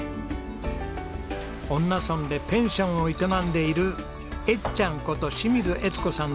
恩納村でペンションを営んでいる「えっちゃん」こと清水江津子さん